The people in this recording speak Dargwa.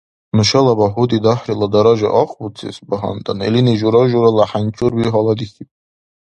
Нушала багьуди-дагьрила даража ахъбуцес багьандан, илини жура-журала хӀянчурби гьаладихьиб.